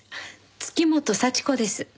月本幸子です。